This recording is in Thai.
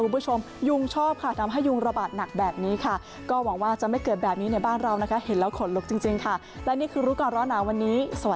โปรดติดตามตอนต่อไป